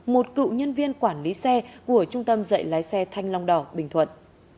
một cựu nhân viên quản lý xe của trung tâm dạy lái xe thanh long đỏ bình thuận